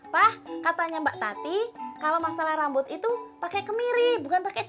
pak katanya mbak tati kalau masalah rambut itu pakai kemiri bukan pakai cas